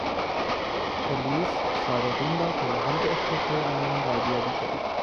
پلیس سارقین را تا محل اختفای آنان ردیابی کرد.